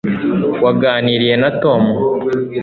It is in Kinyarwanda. waganiriye na tom